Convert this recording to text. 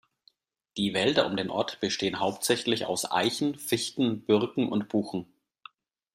Die Wälder um den Ort bestehen hauptsächlich aus Eichen, Fichten, Birken und Buchen.